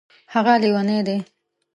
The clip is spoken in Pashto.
هغه لیونی دی